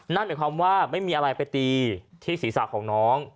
นั่นหมายความว่าไม่มีอะไรไปตีที่ศีรษะของน้อง